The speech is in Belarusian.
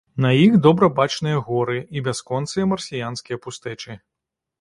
На іх добра бачныя горы і бясконцыя марсіянскія пустэчы.